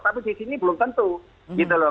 tapi di sini belum tentu gitu loh